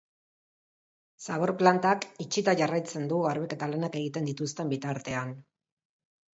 Zabor plantak itxita jarraitzen du garbiketa lanak egiten dituzten bitartean.